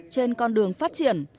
trên con đường phát triển